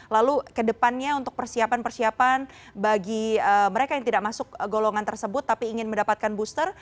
lalu kedepannya untuk persiapan persiapan bagi mereka yang tidak masuk golongan tersebut tapi ingin mendapatkan booster